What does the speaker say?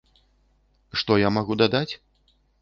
Што я магу дадаць?